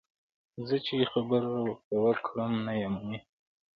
زه چې خبره ورته وکړم، نه یې مني.